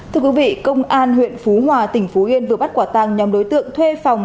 thưa quý vị công an huyện phú hòa tỉnh phú yên vừa bắt quả tăng nhóm đối tượng thuê phòng